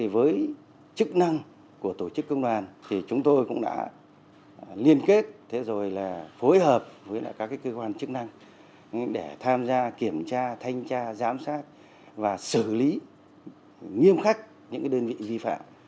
với chức năng của tổ chức công đoàn chúng tôi cũng đã liên kết rồi phối hợp với các cơ quan chức năng để tham gia kiểm tra thanh tra giám sát và xử lý nghiêm khắc những đơn vị vi phạm